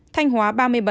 thanh hóa ba mươi bảy